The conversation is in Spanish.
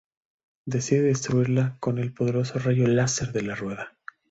Decide destruirla con el poderoso rayo láser de la Rueda.